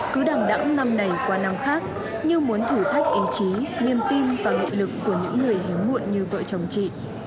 cứ đẳng đẳng năm này qua năm khác như muốn thử thách ý chí niềm tin và nghệ lực của những người hiếu muộn như vợ chồng chị